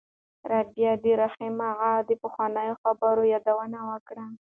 رابعې د رحیم اغا د پخوانیو خبرو یادونه وکړه.